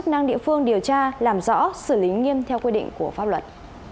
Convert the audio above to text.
chức năng địa phương điều tra làm rõ xử lý nghiêm theo quy định của pháp luật